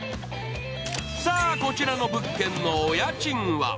さあ、こちらの物件のお家賃は？